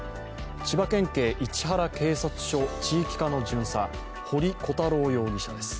千葉県警市原警察署地域課の巡査、堀鼓太郎容疑者です。